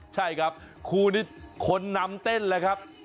ใช่ครับคู่นี้คนนำเต้นเลยครับ